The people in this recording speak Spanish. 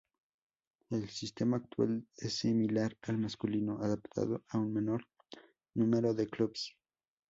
El sistema actual es similar al masculino, adaptado a un menor número de clubes.